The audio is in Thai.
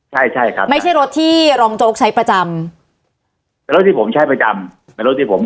ใช่ใช่ครับไม่ใช่รถที่รองโจ๊กใช้ประจำเป็นรถที่ผมใช้ประจำเป็นรถที่ผม